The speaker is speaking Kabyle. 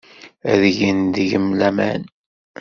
Ad gen deg-m laman.